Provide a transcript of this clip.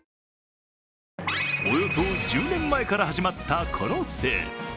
およそ１０年前から始まったこのセール。